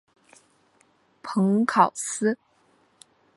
蓬考斯。